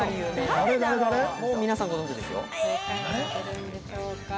皆さんご存じですよ。